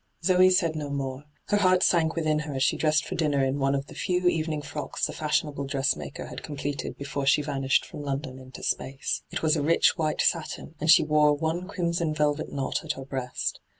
Zoe said no more. Her heart sank within her as she dressed for dinner in one of the few evening frocks the fashionable dressmaker had completed before she vanished from London into space. It was a rich white satin, and she wore one crimson velvet knot at her breast.